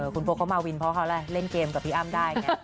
คุณโพเขามาวินเพราะเขาเล่นเกมกับพี่อ้ำได้ไง